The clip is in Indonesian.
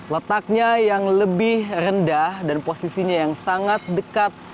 letaknya yang lebih rendah dan posisinya yang sangat dekat